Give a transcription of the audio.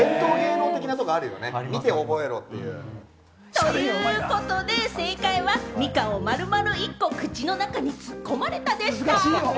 ということで、正解は、みかんを丸々１個口の中に突っ込まれたでした。